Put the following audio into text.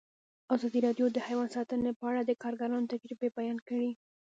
ازادي راډیو د حیوان ساتنه په اړه د کارګرانو تجربې بیان کړي.